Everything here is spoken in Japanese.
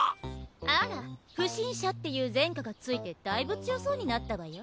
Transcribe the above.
あら不審者っていう前科がついてだいぶ強そうになったわよ。